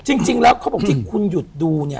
จริงแล้วเขาบอกที่คุณหยุดดูเนี่ย